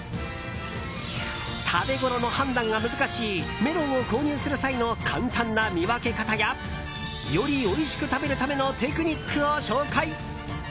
食べごろの判断が難しいメロンを購入する際の簡単な見分け方やよりおいしく食べるためのテクニックを紹介。